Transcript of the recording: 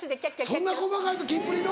そんな細かいキンプリの。